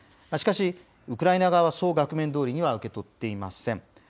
しかし、ウクライナ側は、そう額面どおりには受け取っていません。